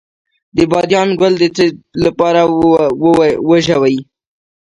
د بادیان ګل د څه لپاره وژويئ؟